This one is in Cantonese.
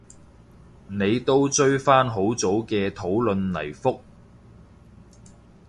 你都追返好早嘅討論嚟覆